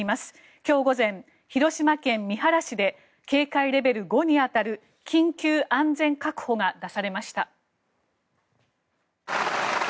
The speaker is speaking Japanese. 今日午前、広島県三原市で警戒レベル５に当たる緊急安全確保が出されました。